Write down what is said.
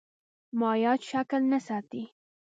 مایعات شکل نه ساتي.